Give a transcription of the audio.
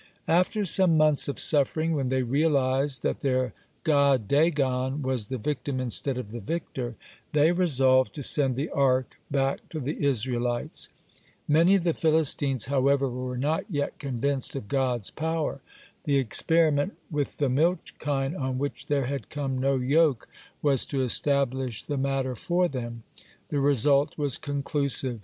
(34) After some months of suffering, when they realized that their god Dagon was the victim instead of the victor, they resolved to send the Ark back to the Israelites. Many of the Philistines, (35) however, were not yet convinced of God's power. The experiment with the milch kine on which there had come no yoke was to establish the matter for them. The result was conclusive.